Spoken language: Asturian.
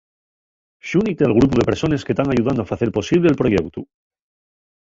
Xúnite al grupu de persones que tán ayudando a facer posible'l proyeutu